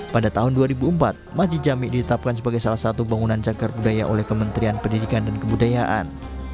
pada tahun dua ribu empat majid jami ditetapkan sebagai salah satu bangunan cagar budaya oleh kementerian pendidikan dan kebudayaan